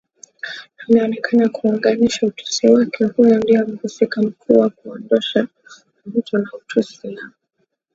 ameonekana kuuanganisha Utusi wake Huyu ndiye mhusika mkuu wa kuondosha Uhutu na Utusi na